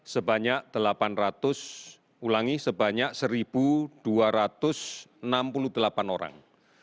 sebanyak delapan ratus ulangi sebanyak satu dua ratus enam puluh delapan orang